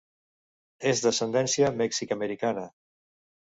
És d'ascendència mexicamericana.